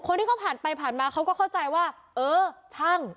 คนที่เขาผ่านไปผ่านมาเขาก็เข้าใจว่าเออช่าง